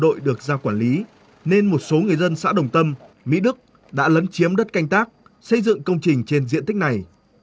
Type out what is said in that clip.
hà nội được giao quản lý nên một số người dân xã đồng tâm mỹ đức đã lấn chiếm đất canh tác xây dựng công trình trên diện tích này